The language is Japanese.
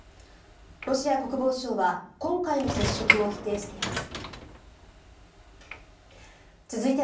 ロシア国防省は今回の接触を否定しています。